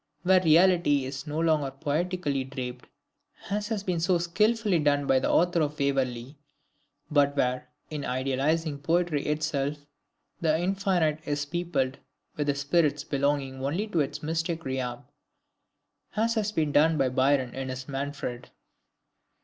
where reality is no longer poetically draped, as has been so skilfully done by the author of Waverley, but where, in idealizing poetry itself, the infinite is peopled with the spirits belonging only to its mystic realm, as has been done by Byron in his Manfred."